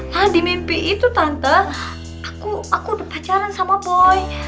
nah di mimpi itu tante aku udah pacaran sama boy